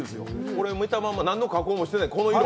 これ見たまま何の加工もしてない、この色？